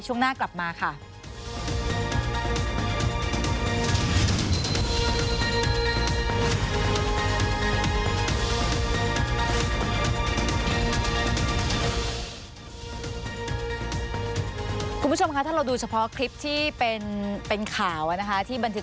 สวัสดีครับ